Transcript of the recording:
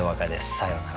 さようなら。